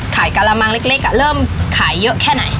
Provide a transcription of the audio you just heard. ขายกาลามังเล็กเล็กอ่ะเริ่มขายเยอะแค่ไหน